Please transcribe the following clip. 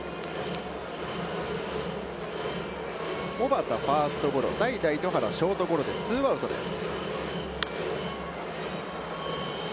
小幡、ファーストゴロ、代打糸原はショートゴロでツーアウトです。